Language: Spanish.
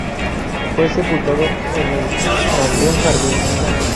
Fue sepultado en el Panteón Jardín.